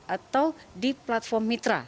atau di platform mitra